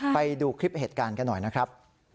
ไปดูคลิปเหตุการณ์กันหน่อยนะครับ